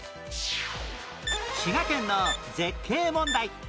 滋賀県の絶景問題